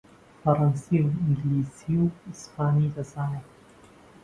فەڕانسی و ئینگلیسی و ئەسپانی دەزانی